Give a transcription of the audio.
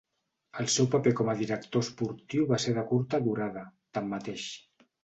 El seu paper com a director esportiu va ser de curta durada, tanmateix.